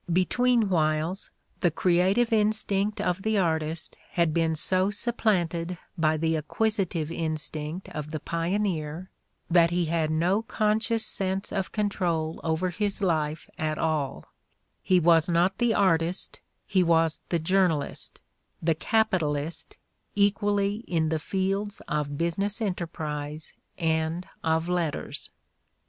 Be tween whiles, the creative instinct of the artist had been so supplanted by the acquisitive instinct of the pioneer that he had no conscious sense of control over his life at all: he was not the artist, he was the journalist, the capitalist equally in the fields of business enterprise and of letters.